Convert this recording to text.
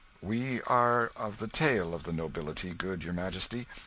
"We are of the tail of the nobility, good your Majesty.